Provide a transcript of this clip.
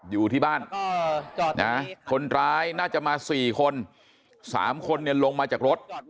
อยู่ที่บ้านคนร้ายน่าจะมา๔คน๓คนลงมาจากรถ